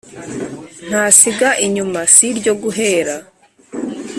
Ntasiga inyuma si iryo guhera.